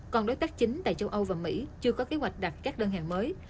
còn đối tác chính tại châu âu và mỹ chưa có kế hoạch đặt các đơn hàng mới